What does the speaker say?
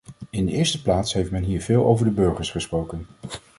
In de eerste plaats heeft men hier veel over de burgers gesproken.